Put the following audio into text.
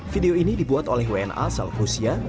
video ini dibuat oleh wna salhusia